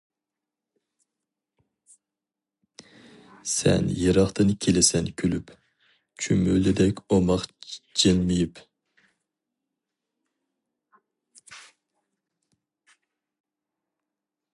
سەن يىراقتىن كېلىسەن كۈلۈپ، چۈمۈلىدەك ئوماق جىلمىيىپ.